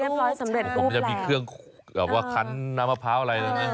ขูดแบบเรียบร้อยสำเร็จรูปแหละผมจะมีเครื่องแบบว่าคันน้ำมะพร้าวอะไรเลยนะ